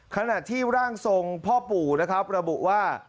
ขณะที่ร่างทรงพ่อปู่นะครับระบุว่า